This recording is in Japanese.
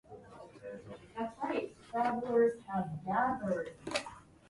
ドアはきっちりと閉まっていて、誰も出てきそうもなかった